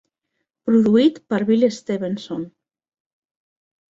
Produït per Bill Stevenson.